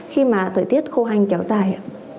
khi mà thời tiết khô hanh kéo dài ạ